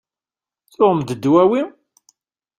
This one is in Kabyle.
Tuɣem-d dwawi?